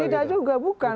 tidak juga bukan